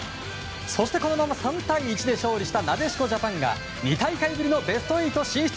このまま３対１で勝利したなでしこジャパンが２大会ぶりのベスト８進出。